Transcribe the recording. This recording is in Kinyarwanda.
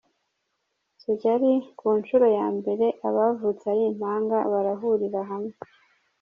Kigali: Ku nshuro ya mbere abavutse ari impanga barahurira hamwe